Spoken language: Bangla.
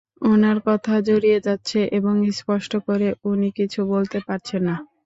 ওনার কথা জড়িয়ে যাচ্ছে এবং স্পষ্ট করে উনি কিছু বলতে পারছেন না।